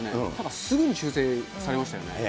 ただすぐに修正しましたよね。